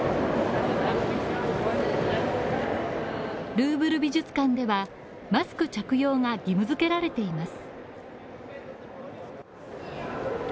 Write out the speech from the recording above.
ルーブル美術館ではマスク着用が義務付けられています。